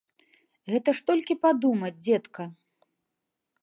Гэта ж толькі падумаць, дзедка.